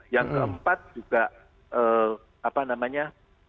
yang keempat juga apa namanya